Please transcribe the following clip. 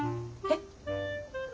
えっ？